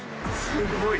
すごい！